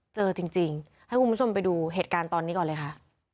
เจอจริงให้คุณผู้ชมไปดูเหตุการณ์ตอนนี้ก่อนเลยค่ะ